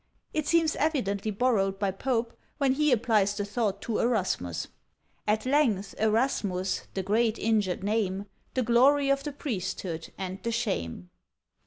It seems evidently borrowed by Pope, when he applies the thought to Erasmus: At length Erasmus, that great injured name, The glory of the priesthood and the shame!